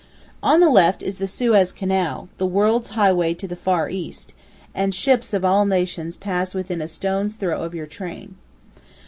On the left is the Suez Canal, the world's highway to the Far East, and ships of all nations pass within a stone's throw of your train.